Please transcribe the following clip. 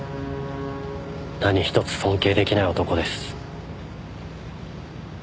何一つ尊敬できない男です。